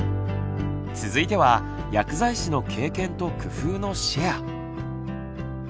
続いては薬剤師の経験と工夫のシェア。